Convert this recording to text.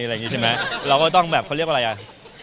อะไรอย่างนี้ใช่ไหมเราก็ต้องแบบเขาเรียกอะไรอ่ะ